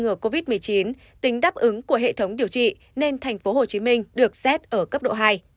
ngừa covid một mươi chín tính đáp ứng của hệ thống điều trị nên tp hcm được xét ở cấp độ hai